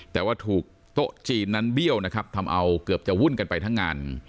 แต่ว่าถูกโต๊ะจีนนั้นเบี้ยวนะครับทำเอาเกือบจะวุ่นกันไปทั้งงาน